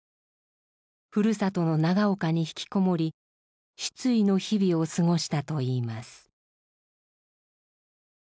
ふるさとの長岡に引きこもり失意の日々を過ごしたといいます。